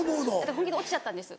本気で落ちちゃったんです。